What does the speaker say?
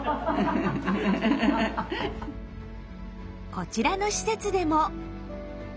こちらの施設でも。